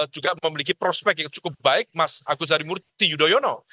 juga memiliki prospek yang cukup baik mas agus harimurti yudhoyono